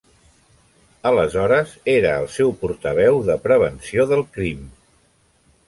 Aleshores era el seu portaveu de Prevenció del Crim.